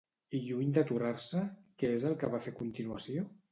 I lluny d'aturar-se, què és el que va fer a continuació?